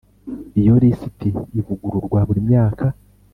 Iyo lisiti ivugururwa buri myaka